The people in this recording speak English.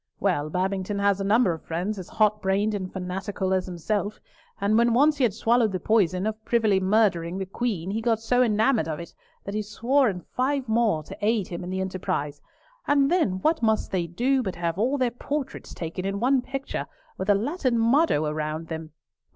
Well, Babington has a number of friends, as hot brained and fanatical as himself, and when once he had swallowed the notion of privily murdering the Queen, he got so enamoured of it, that he swore in five more to aid him in the enterprise, and then what must they do but have all their portraits taken in one picture with a Latin motto around them.